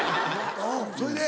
そいで？